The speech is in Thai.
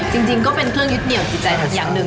จริงก็เป็นเครื่องยึดเหนียวจิตใจอย่างหนึ่ง